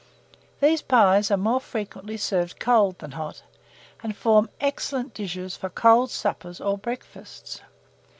These pies are more frequently served cold than hot, and form excellent dishes for cold suppers or breakfasts.